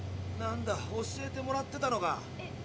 なんだ教えてもらってたのか。